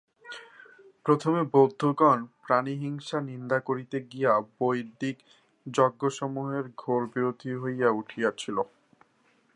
প্রথমে বৌদ্ধগণ প্রাণিহিংসা নিন্দা করিতে গিয়া বৈদিক যজ্ঞসমূহের ঘোর বিরোধী হইয়া উঠিয়াছিল।